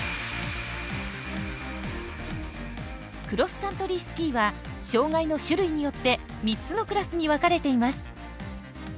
クロスカントリースキーは障がいの種類によって３つのクラスに分かれています。